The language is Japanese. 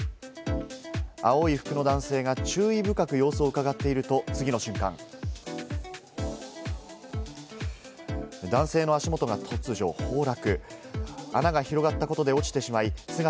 青い服の男性が注意深く様子をうかがっていると次の瞬間、男性の足元が突如、崩落。